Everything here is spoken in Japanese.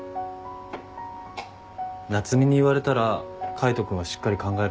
夏海に言われたら海斗君はしっかり考えると思うよ。